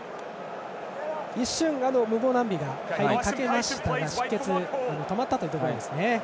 一瞬、ムボナンビが入りかけましたが出血は止まったということですね。